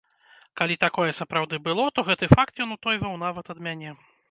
Калі такое сапраўды было, то гэты факт ён утойваў нават ад мяне.